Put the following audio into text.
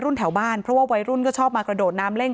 แถวบ้านเพราะว่าวัยรุ่นก็ชอบมากระโดดน้ำเล่น